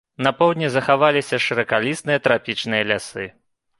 На поўдні захаваліся шыракалістыя трапічныя лясы.